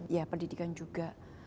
ya pendidikan juga